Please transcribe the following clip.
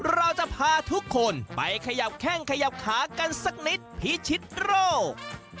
เราจะพาทุกคนไปขยับแข้งขยับขากันสักนิดพิชิตโรค